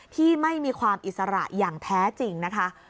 ที่ไม่มีความอิสระอย่างแท้จริงนะคะ